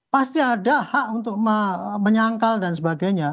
pasti ada hak untuk menyangkal dan sebagainya